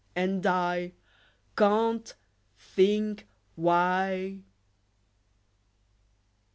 And I can't think why!